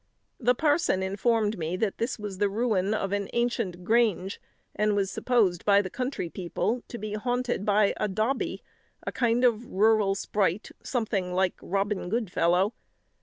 The parson informed me that this was the ruin of an ancient grange, and was supposed by the country people to be haunted by a dobbie, a kind of rural sprite, something like Robin Goodfellow.